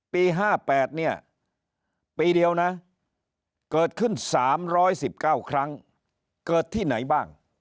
ปี๕๘เนี่ยปีเดียวนะเกิดขึ้น๓๑๙ครั้งเกิดที่ไหนบ้าง